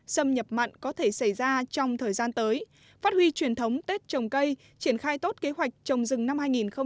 xâm nhập mặn có thể xảy ra trong thời gian tới phát huy truyền thống tết trồng cây triển khai tốt kế hoạch trồng rừng năm hai nghìn hai mươi